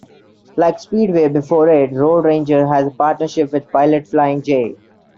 Like Speedway before it, Road Ranger has a partnership with Pilot Flying J.